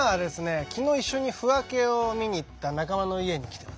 昨日一緒に腑分けを見に行った仲間の家に来てます。